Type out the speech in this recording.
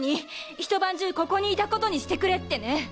ひと晩中ここにいたことにしてくれってね！